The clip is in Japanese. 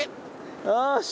よし。